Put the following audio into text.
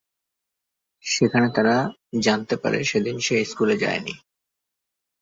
সেখানে তারা জানতে পারে সেদিন সে স্কুলে যায়নি।